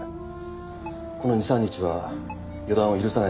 この２３日は予断を許さない状況だと。